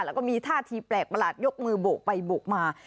แล้วก็มีท่าทีแปลกประหลาดยกมือโบกไปโบกมา